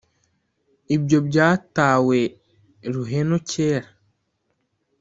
ibyo byatawe ruhenu kera